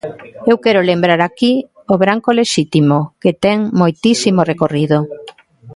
Eu quero lembrar aquí o branco lexítimo, que ten moitísimo recorrido.